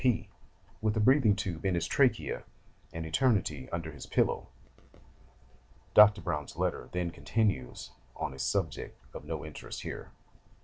C.P.! with a breathing tube in his trachea, and Eternity under his pillow...' [Dr. Browne's letter then continues on a subject of no interest here.